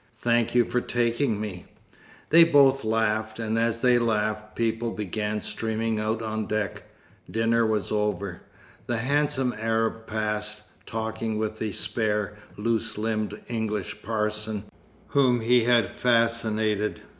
"Thank you for taking me." They both laughed, and as they laughed, people began streaming out on deck. Dinner was over. The handsome Arab passed, talking with the spare, loose limbed English parson, whom he had fascinated.